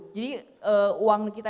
jadi uang kita